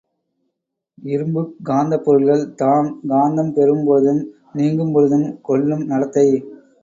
இரும்புக் காந்தப் பொருள்கள் தாம் காந்தம் பெறும் பொழுதும் நீங்கும்பொழுதும் கொள்ளும் நடத்தை.